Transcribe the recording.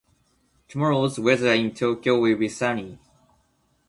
Tomorrow's weather in Tokyo will be sunny.